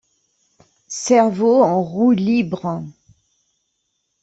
Cerveau en roue libre.